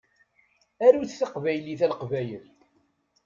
Arut taqbaylit a Leqbayel.